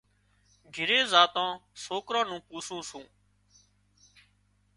گھِري زاتان سوڪران نُون پوسُون سُون۔